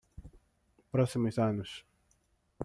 Próximos anos